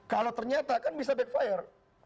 kalau ternyata kan bisa backfire